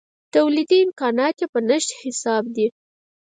تولیدي امکانات یې په نشت حساب دي.